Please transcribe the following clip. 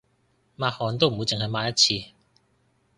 抹汗都唔會淨係抹一次